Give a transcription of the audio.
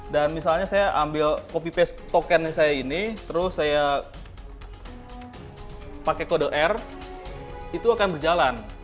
dan misalnya saya ambil copy paste token saya ini terus saya pakai kode r itu akan berjalan